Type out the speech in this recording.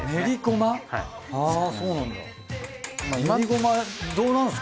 あぁそうなんだ。